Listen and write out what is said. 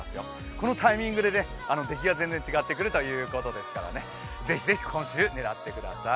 このタイミングで出来が全然違ってくるということですからぜひぜひ、今週、狙ってください。